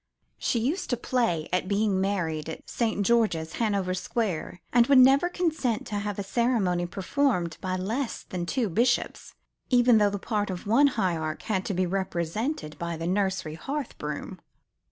She used to play at being married at St. George's, Hanover Square, and would never consent to have the ceremony performed by less than two bishops; even though the part of one hierarch had to be represented by the nursery hearth broom.